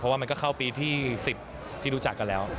ว่ามันก็เข้าปีที่๑๐ที่รู้จักกันแล้ว